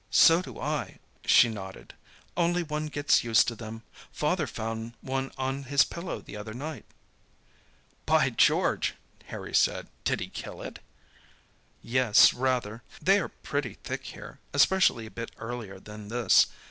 "So do I," she nodded; "only one gets used to them. Father found one on his pillow the other night." "By George!" Harry said. "Did he kill it?" "Yes, rather. They are pretty thick here, especially a bit earlier than this.